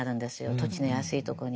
土地の安いところに。